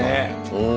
うん。